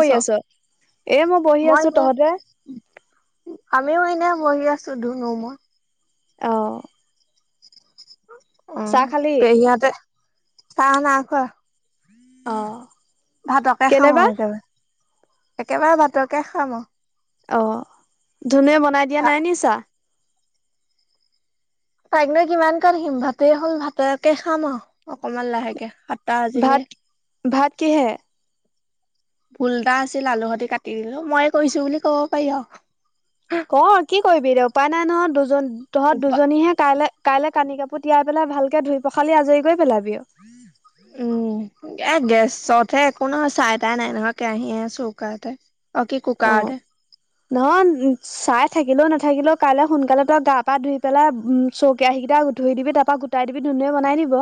কৰি আছ? এ বহি মই আছো এনে তহঁতে আমিও এনে বহি আছো ধুনু মই অ অ চাহ খালি পেহী হতে চাহ না খোৱা অ ভাতকে খাম কেলেবা আৰু একেবাৰে একেবাৰে ভাতকে খাম আৰু অ ধুনুুৱে বনাই দিয়া নাই নি চাহ তাইক নৈ কিমান কৈ থাকিম ভাতে হ'ল ভাতেকে খাম আৰু অকনমান লাহেকে বাজিলে ভাত ভাত কিহে? ভুল এটা আছিল আলু হতি কাটি দিলো মই কৰিছো বুলি কব পাৰি আও ক কি কৰিবি এতিয়া উপায় নাই নহয় দুজন তহঁত দুজনীহে তালে কাইলে কানি কাপোৰ তিয়াই পেলাই ভালকে ধুই পখালি আজৰি কৰি পেলাবি অ উম এ গেছতহে একো নহয় চাই তাই নাই নহয় কেৰাহী চৌকা এটা অ কি অ কুকাৰত হে নহয় চাই থাকিলেও নাথাকিলেও কাইলে সোনকালে তই গা পা ধুই পেলাই চৰো কেৰাহী কেইটা ধুই দিবি তাপা গোটাই দিবি ধুনুয়ে বনাই দিব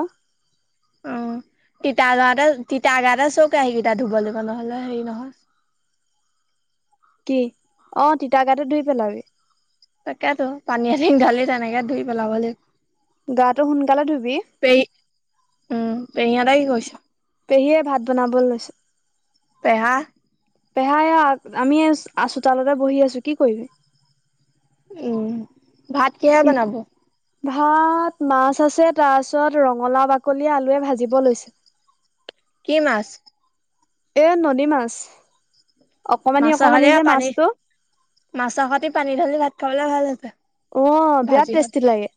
অ তিতা গাতে তিতা গাতে চৰো কেৰাহি কেইটা ধুব লাগিব নহলে হেৰি নহয়। কি অ তিতা গাতে ধুই পেলাবি তাকেতো পানী এতিং ধালি তেনেকে ধুই পেলাব লাগিব। গাটো সোনকালে ধুবি পে উম পেহী হতে কি কৰিছে? পেহীয়ে ভাত বনাব লৈছে পেহা পেহা এয়া আমি আছো চুতালতে বহি আছো কি কৰিবি উম ভাত কিহে বনাব? ভাত মাছ আছে তাৰপিছত ৰঙালাও বাকলি আলুৱে ভাজিব লৈছে কি মাছ? এ নদী মাছ অকমানি মাছৰ অকমানি হতে যে পানী মাছটো মাছৰ হতি পানী ঢালি ভাত খাবলৈ ভাল হৈছে অ বিয়া ভাজি সতি টেষ্টি লাগে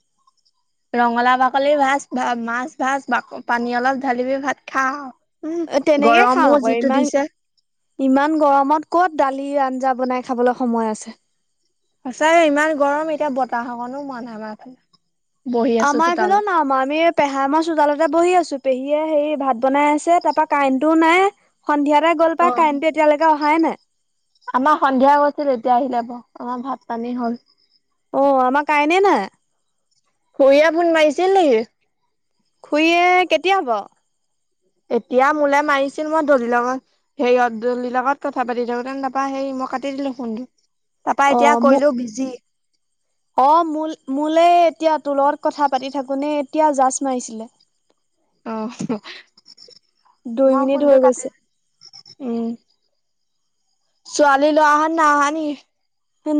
ৰঙালাও বাকলি ভাজ ভাত মাছ ভাজ পানী অলপ ঢালিবি ভাত খা আও উম এ তেনেকে খাওঁ গৰমো আক যিটো ইমান দিছে ইমান গৰমত ক'ত দালি আঞ্জা বনাই খাবলৈ সময় আছে সঁচাই ইমান গৰম এতিয়া বতাহকনো মৰা নাই বহি আছো আমাৰ এইফালেও চোতালত নাই মৰা আমি পেহা মই চোতালতে বহি আছো চু পেহীয়ে হে ভাত বনাই আছে তাৰ পা কাৰেণ্টোও নাই সন্ধিয়াতে গ'ল অ পাই কাৰেণ্টটো এতিয়ালকে অহাই নাই আমাৰ সন্ধিয়া গৈছিল এতিয়া আহিলে বা অ ভাত পানী হ'ল অ আমাৰ কাইনে নাই খুৰীয়ে ফোন মাৰিছিল নেকি খুৰিয়ে কেতিয়া বাও এতিয়া মোলে মাৰিছিল মই দলিৰ লগত সেইয়ত দলিৰ লগত কথা পাতি থাকোতে নাপা সেই মই কাটি দিলো ফোনটো তাৰপা অ এতিয়া মোক কৰিলো বিজি অ মো মোলে এতিয়া তো লগত কথা পাতি থাকোতে এতিয়া জাষ্ট মাৰিছিলে অ দুই মই মিনিট ফোনটো হৈ কাটি গৈছে। দিলো উম ছোৱালী লৱাহত নাই অহা নি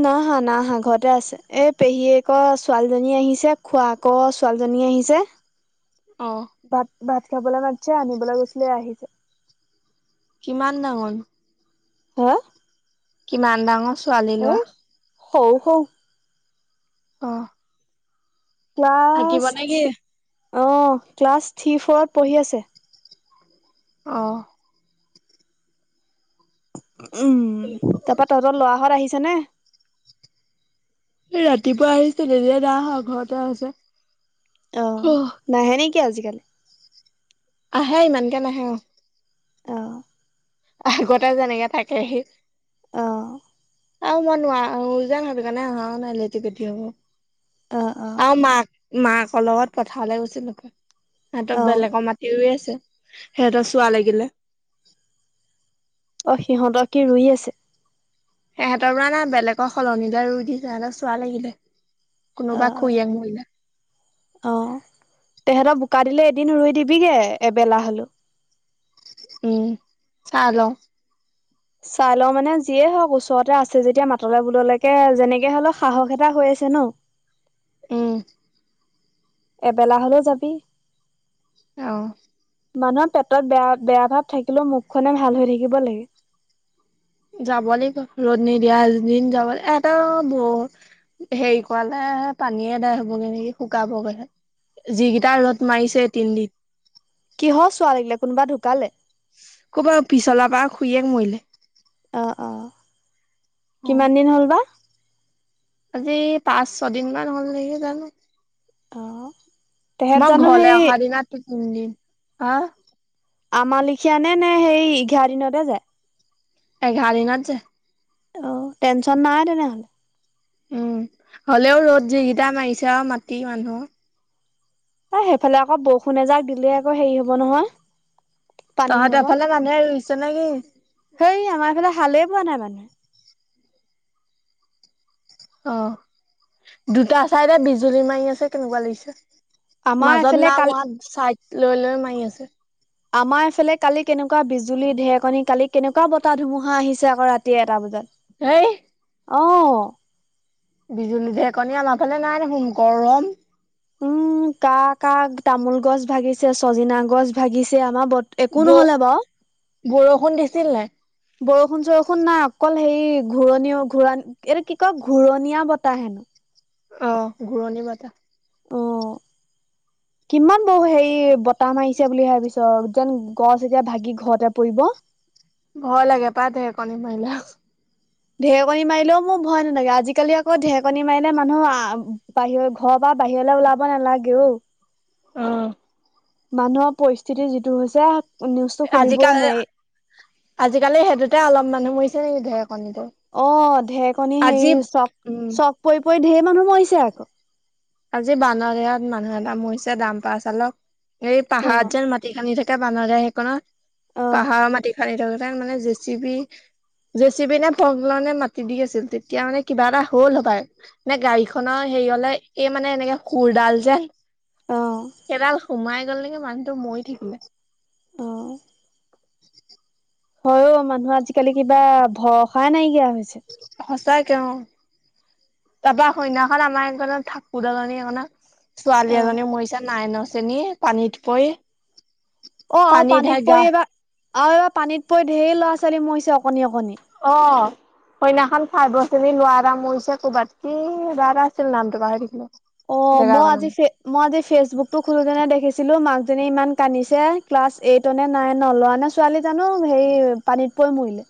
না অহা না ঘৰতে আছে এই পেহীয়েক ছোৱালীজনী আহিছে খোৱাক ছোৱালীজনী জনী আহিছে আহঁ ভাত ভাত খাবলৈ মাতিছে আনিবলৈ গৈছিলে আহিছে কিমান ডাঙৰ হা কিমান ডাঙৰ ছোৱালী এ লোৱা সৰু সৰু অ থাকিব ক্লাছ নে কি থি অ ক্লাছ থি ফৰত পঢ়ি আছে অহ। উম তাৰ পৰা তহঁতৰ লৰাহত আহিছে নে ৰাতিপুৱা আহিছে নিজে না অহা ঘৰতে আছে অ নাহে নেকি আজিকালি আহে ইমানকে নাহে অ। অ আগতে যেনেকে থাকেহি অ আৰু মই নোৱাৰো যে সেইটো কাৰণে অহা নাই লেটি পেটি হব অ অ আৰু মাক মাকৰ লগত পথালে গৈছিল হপাই অ সিহতৰ বেলেগৰ মাটি ৰুই আছে সিহঁতৰ চোৱা লাগিলে অ সিহঁতৰ কি ৰুই আছে। সিহঁতৰ পৰা না বেলেগৰ সলনিলে ৰুই দিছে আৰু সিহঁতৰ চোৱা লাগিলে অ কোনোবা খুৰীয়েক মৰিলে অ তেহেত বু কা দিলে এদিন ৰুই দিবিগে এবেলা হলো। উম চাই ল চাই লও মানে যিয়ে হওক ওচৰতে আছে যেতিয়া মাতলে বুললেকে যেনেকে হলেও সাহস এটা হৈ ছে ন উম। এবেলা হ'লেও যাবি আহ। মানুহৰ পেটত বেয়া বেয়া ভাৱ থাকিলেও মুখনে ভাল হৈ থাকিব লাগে। যাব লাগিব ৰ'দ নিদিয়া দিন যাব লাগিব এটা ব হেৰি কৰালে পানীয়ে এদাই হ'বগৈ নেকি শুকাব গেহে যিকেইটা ৰ'দ মাৰিছে এ তিনদিন কিহৰ চোৱা লাগিলে কোনোবা ঢুকালে। ক'বাত পিছলা পাৰৰ খুয়েক মৰিলে। অ অ অ কিমান দিন হ'ল বা আজি পাঁচ ছয়দিন মান হ'ল নেকি জানো অ' তেহেঁত মই জানো ঘৰলে সেই অহাৰ দিনা তিনদিন হা আম লেখিয়া নে নে সেই এঘাৰ দিনতে যায় এঘাৰ দিনত যে অ টেনচন নাই তেনেহলে উম হ'লেও ৰ'দ যিকিটা মাৰিছে আৰু মাটি মানুহ ত সেইফালে আকৌ বৰষুণ এজাক দিলেই আকৌ হেৰি হব নহয়। পানী তহঁতৰ হব ফালে মানুহে ৰুইছে নেকি? সেই আমাৰ এইফালে হালে পোৱা নাই মানে। অ দুটা চাইডে বিজুলী মাৰি আছে কেনেকুৱা লাগিছে। আমাৰ মাজত এইফালে কালি নাই মৰা চাইড লৈ লৈ মাৰি আছে। আমাৰ এইফালে কালি কেনেকুৱা বিজুলী ঢেকনি কালি কেনেকুৱা বতাহ ধুমুহা আহিছে আকৌ ৰাতি এটা বজাত। সেই। অহ। বিজুলী ঢেকনী আমাৰ ফালে নাই দেখোন গৰম। উম কাৰ কাৰ তামোল গছ ভাঙিছে চজিনা গছ ভাঙিছে। আমাৰ বত একো ব- নহ'লে বাৰু। বৰষুণ দিছিল নাই। বৰষুণ চৰষুণ নাই অকল হেৰি ঘূৰণি ঘূৰা এইটো কি কয় ঘূৰণীয়া বতাহে উম। অহ ঘুৰণী বতাহ। অ'। কিমান বৌ হেৰি বতাহ মাৰিছে বুলি ভাবিছ যেন গছ এতিয়া ভাঙি ঘৰতে পৰিব। ভয় লাগে পায় ঢেৰেকণী মাৰিলে। ঢেৰেকণী মাৰিলেও মোৰ ভয় নাথাকে। আজিকালি আকৌ ঢেৰকণী মাৰিলে মানুহ আহ বাহিৰৰ ঘৰৰ পৰা। বাহিৰলৈ ওলাব নালাগেও। অহ। মানুহৰ পৰিস্থিতি যিটো হৈছে। নিউজটো আজি খুলিবই কালি নোৱাৰি আজি কালি সেইটোতে অলপ মানুহ মাৰিছে নেকি ঢেৰ- অ ঢেৰকণী হেৰি চক উম। চক পৰি পৰি ঢেৰ মানুহ মৰিছে আকৌ। আজি বানৰ ইয়াত মানুহ এটা মৰিছে দামপাৰ চালক এই অ পাহাৰ যেন মাটি খান্দি থাকে। এতিয়া বানৰ সেইখনত পাহাৰৰ মাটি খান্দি থাকোতে মানে J C P J C P নে [unintelligible] মাতি দি আছিল তেতিয়া মানে কিবা এটা হ'ল হ'ব পাৰে নে গাড়ীখনৰ। হেৰি হলে এই মানে এনেকে খুৰডাল যে অ সেইডাল সোমাই সোমাই মানুহটো মৰি থাকিলে। অহ। [unintelligible] হয় মানুহৰ আজি কালি কিবা ভৰসাই নাইকিয়া হৈছে। সঁচাকে অ তাৰ পৰা সন্যখন আমাৰ এইখনত থাকো [unintelligible] ছোৱালী অ এজনী অ মৰিছে নাইনৰ শ্ৰেনী পানীত পৰি। অ আৰু পানী ঢাই পানীত গা পৰি এইবাৰ আৰু এইবাৰ পানীত পৰি ঢেৰ ল'ৰা ছোৱালী মৰিছে অকমাণি অকমাণি। অ। সেইদিনাখন ফাইবৰ শ্ৰেণী ল'ৰা এটা মৰিছে ক'ৰবাত কি আছিল নামটো পাহৰি থাকিলো। অ মই আজি মই আজি ফেচবুক টো খোলোতে দেখিছোঁ। দেখিলোঁ মাকজনী ইমান কান্দিছে। ক্লাছ এইট নে নাইনৰ ল'ৰা নে ছোৱালী জানো সেই পানীত পৰি মৰিলে।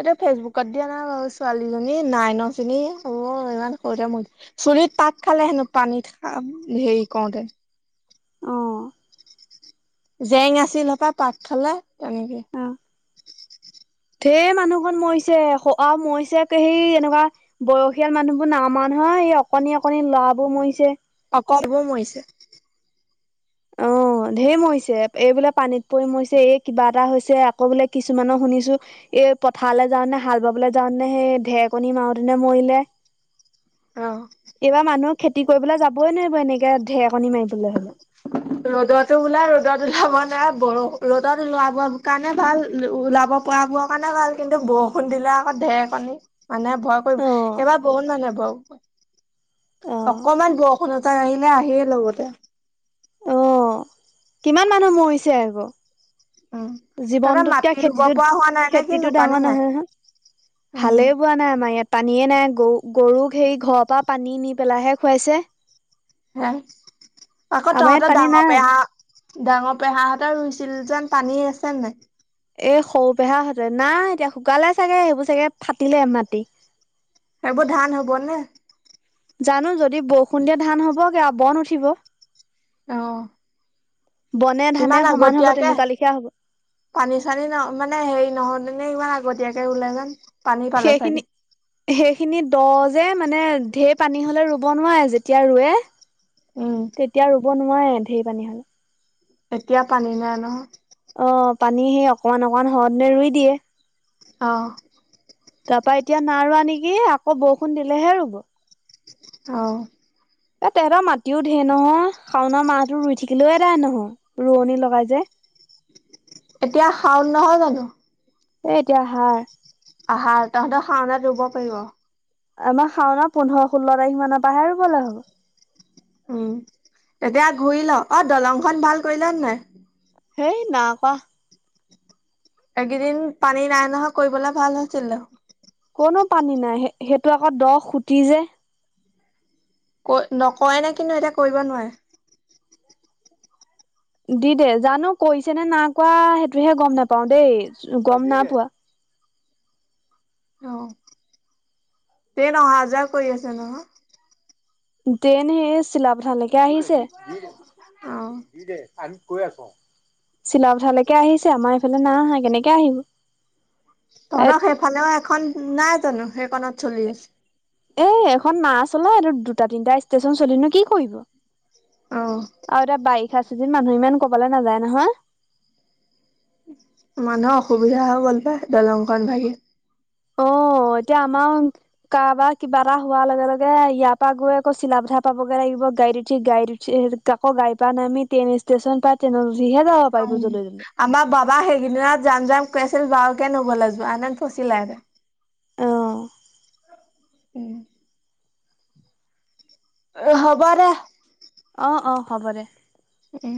এয়া ফেচবুকত দিয়া নাই বাৰু ছোৱালীজনী নাইন শ্ৰেনী হ'ব ইমান সৰুতে মৰি চুলিত পাক খালে হেনো পানীত হেৰি কৰোঁতে। অ জেং আছিল সপাই পাক খালে তেনেকে। ঢেৰ মানুহ খন মৰিছে মৰিছে সেই এনেকুৱা বয়সীয়াল মানুহবোৰ নাই মৰা নহয়। এই অকনি অকনি লৰাবোৰ মৰিছে। কম কৈ মৰিছে। অ [unintelligible] ঢেৰ মৰিছে এই বোলে পানীত পৰি মৰিছে এই কিবা এটা হৈছে আকৌ বোলে কিছুমানৰ শুনিছোঁ। এই পথাৰলৈ যাওঁ নে হাল বাবলৈ যাওঁ নে সেই ঢেৰকনী মাৰতেনে মৰিলে। অ। এইবাৰ মানুহক খেতি কৰিবলৈ যাবই নোৱাৰিব এনেকে ঢেৰকণী মাৰিবলৈ হ'লে। ৰ'দতো ওলাই ৰ'দত ওলাব নাই বৰষুণ ৰ'দত ওলাব কাৰণে ভাল ওলাব। পোৱা বোৰ কাৰণে ভাল কিন্তু বৰষুণ দিলে আকৌ ঢেৰকণী। মানে ভয় অ কৰিব এইবাৰ বহুত মানুহে ভয় অ কৰিব অকমান বৰষুণজ আহিলে আহিয় লগতে অ কিমান মানুহ মৰিছে আকৌ উম তহঁতৰ জীৱনটোতকে মাটি ৰুব খেতিটো পৰা হোৱা নাই নে কিনো খেতিটো পানী ডাঙৰ নাই নাহয় হা- উম ভালে বোৱা নাই আমাৰ ইয়াত- পানী নাই গৰু গৰুক হেৰি ঘৰৰ পৰা পানী নি পেলাইাহে খুৱাইছে। হা আকৌ আমাৰ ইয়াত তহতেৰ পানী ডাঙৰ নাই পেহা ডাঙৰ পেহাাহঁতৰ ৰুইছিল যেন- পানী আছে নাই। এই সৰু পেহা হঁতে নাই এতিয়া শুকালে চাগে সেইবোৰ চাগে ফাটিলে মাটি এইবোৰ ধান হ'ব নে জানো যদি বৰষুণ দিয়া ধান হব কে বন উঠিব। আহ বনে ধানে ইমান সমান হব আগতিয়াকে তেনেকুৱা লিখীয়া হব পানী চানী ন মানে হেৰি নহয়। ইবমান আগতীয়াকে ৰুলে যেন পানী পালে চাগে সেইখিনি সেইখিনি দ যে মানে ৰ পানী হলে ব নোৱাৰে যেতিয়া। উম দব নোৱাৰে ঢেৰ পানী হ'লে- এতিয়া পানী নাই নহয়। অ পানী সেই অকমান অকমান সৰদ ৰুই দিয়ে আহ তাৰপা এতিয়া ন ৰোৱা নেকি আকৌ বৰষুণ দিলেহে ৰৰুব অ এ তহেঁতৰ মাটিও ঢেৰ নহ শাওনা মাহো ৰুই থাকিলেও এদাই নহয় ৰোৱনী লগাই যে- এতিয়া শাওণ নহয় জানো- এ এতিয়া আহাৰ আহাৰ তহঁতৰ শাওনাত ৰুব পাৰিব। আমাৰ শাওনা পোন্ধৰ ষোল্ল তাৰিখ মানৰ পৰাহে ৰুবলে হ'ব- উম তেতিয়া ঘূৰি ল অ দলংখন ভাল কৰিল নাই। হেই ন কোৱা। এইকেইদিন পানী নাই নহয় কৰিবলে ভাল হৈছিলে। কনো পানী নাই সেইটো আকৌ দ সুটি যে- ক নকয় নে কিন্তু এয়া কৰিব নোৱাৰে। দি দে জানো কৰিছে নে না কোৱা সেইটোহে গম নাপাও দেই গম নাপোৱা। অ এই নহাজাৰ কৰি আছে নহয়। দেন সেই চিলাপথালৈকে আহিছে অ দে চিলা পথালৈকে আহিছে আমাৰ এইফালে না আহা কেনেকে আহিব। এ তঁৰক সেইফালেও এখন নাই জানো সেইখনত চলি আছে। এ এখন না চলা এই দুটা তিনিটা ষ্টেশচন চল নো কি কৰিব- অ আৰু এতিয়া বাৰিষা চিদিন মানুহ ইমান কবলৈ নাযায় নহয়। মানুহৰ অসুবিধা হৈ গ'ল পায়। দলংখন ভাগি অ এতিয়া আমাৰ কাৰবাৰ কিবা এটা হোৱাৰ লগে লগে ইয়াৰ পৰা গৈ আকৌ চিলা পঠা পাবগে লাগিব। গাড়ী উঠি গাড় উি আকৌ গাড় পা নাই আমিট্ৰেইন ষ্টেচন প ট্ৰেইনত- উঠিহে যাব পাৰিব উম যলৈ তলৈ। আমাৰ বাবা সেইকদিনত যাম যাম কৈ আছি ছিল বাওকে নগলে যোৱা হেতেন ফচিলে হলে অহ উম অ হ'ব দে অ অ হ'ব দে উম